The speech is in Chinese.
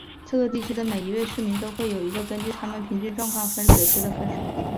四个地区的每一位市民都会有一个根据他们平均健康状况给出的分数。